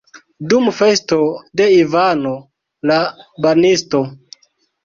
Dum festo de Ivano la Banisto!